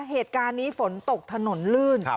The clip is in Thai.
เหตุการณ์นี้ฝนตกถนนลื่น